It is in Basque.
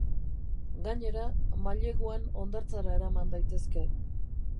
Gainera, maileguan hondartzara eraman daitezke.